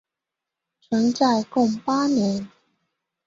存在共八年。